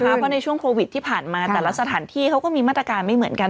เพราะในช่วงโควิดที่ผ่านมาแต่ละสถานที่เขาก็มีมาตรการไม่เหมือนกัน